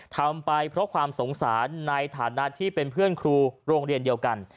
ทำไปเพราะความสงสารในฐานะที่เป็นเพื่อนครูโรงเรียนเดียวกัน